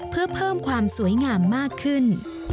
เพื่อเพิ่มความสวยงามมากขึ้น